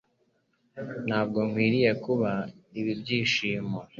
Ntabwo nkwiriye kuba ibi byishimo